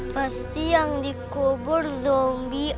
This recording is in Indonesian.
pasti yang dikubur zombie